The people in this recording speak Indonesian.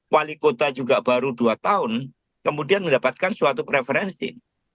wali kota juga baru dua tahun kemudian mendapatkan suatu preferensi